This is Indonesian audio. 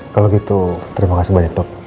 kalau gitu terima kasih banyak dok